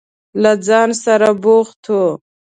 له ځان سره بوخت و.